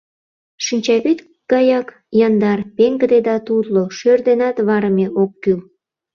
Шинчавӱд гаяк яндар, пеҥгыде да тутло, шӧр денат варыме ок кӱл.